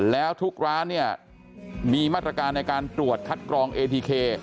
แล้วทุกร้านเนี่ยมีมาตรการในการตรวจคัดกรองเอทีเค